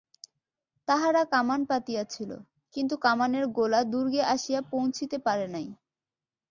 তাহারা কামান পাতিয়াছিল, কিন্তু কামানের গোলা দুর্গে আসিয়া পৌঁছিতে পারে নাই।